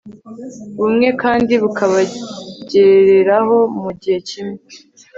bumwe kandi bukabagereraho mu gihe kimwe